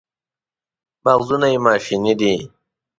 مغزونه یې ماشیني دي.